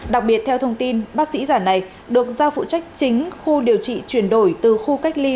đặc biệt theo thông tin bác sĩ giả này được giao phụ trách chính khu điều trị chuyển đổi từ khu cách ly